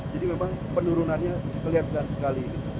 jadi memang penurunannya kelihatan sekali